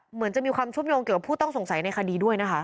เหมือนจะมีความเชื่อมโยงเกี่ยวกับผู้ต้องสงสัยในคดีด้วยนะคะ